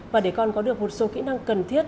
và để con có được một số kỹ năng cần thiết